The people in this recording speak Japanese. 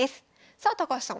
さあ高橋さん